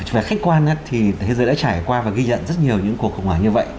về khách quan thế giới đã trải qua và ghi nhận rất nhiều những cuộc khủng hoảng như vậy